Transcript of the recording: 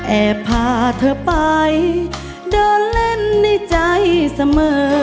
แอบพาเธอไปเดินเล่นในใจเสมอ